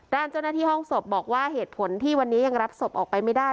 ด้านเจ้าหน้าที่ห้องศพบอกว่าเหตุผลที่วันนี้ยังรับศพออกไปไม่ได้